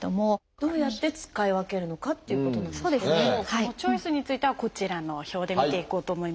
そのチョイスについてはこちらの表で見ていこうと思います。